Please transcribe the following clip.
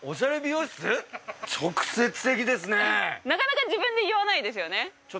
直接的ですねなかなか自分で言わないですよね